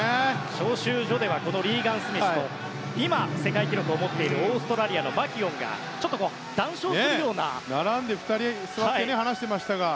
招集所ではリーガン・スミスと今、世界記録を持っているオーストラリアのマキュオンが２人並んで座って話してましたが。